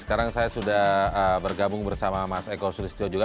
sekarang saya sudah bergabung bersama mas eko sulistyo juga